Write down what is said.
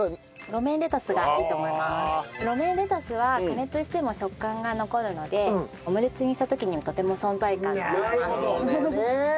ロメインレタスは加熱しても食感が残るのでオムレツにした時にとても存在感があります。